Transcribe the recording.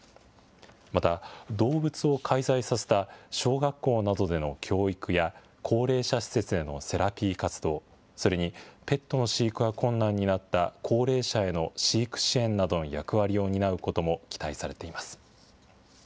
また、動物を介在させた小学校などでの教育や、高齢者施設でのセラピー活動、それにペットの飼育が困難になった、高齢者への飼育支援などの役割を担うことも期待されています。